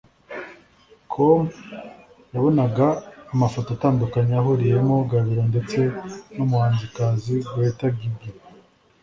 com yabonaga amafoto atandukanye ahuriyemo Gabiro ndetse n’umuhanzikazi Gretta Gigi